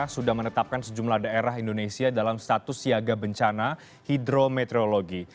sudah menetapkan sejumlah daerah indonesia dalam status siaga bencana hidrometeorologi